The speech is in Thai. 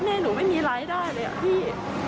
แม่หนูไม่มีรายได้เลยอะพี่